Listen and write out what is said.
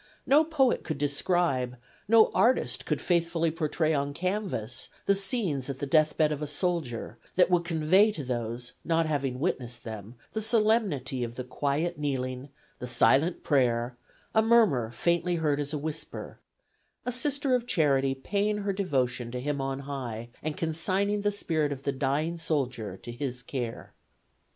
No poet could describe, no artist could faithfully portray on canvas the scenes at the deathbed of a soldier, that would convey to those not having witnessed them the solemnity of the quiet kneeling, the silent prayer, a murmur faintly heard as a whisper, a Sister of Charity paying her devotion to Him on high, and consigning the spirit of the dying soldier to His care.